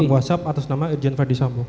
kontak whatsapp atas nama ejen freddy sambo